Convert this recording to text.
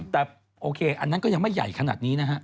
แต่โอเคอันนั้นก็ยังไม่ใหญ่ขนาดนี้นะฮะ